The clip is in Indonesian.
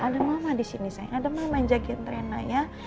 ada mama disini sayang ada mama yang jagain rena ya